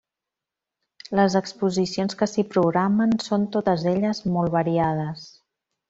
Les exposicions que s'hi programen són totes elles molt variades.